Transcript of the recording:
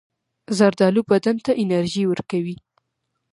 زردالو بدن ته انرژي ورکوي.